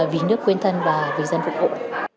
và người dân phục vụ